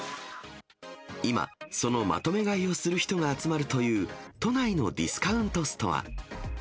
今、そのまとめ買いをする人が集まるという都内のディスカウントストア。